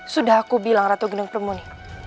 sudah aku bilang ratu gendeng permoni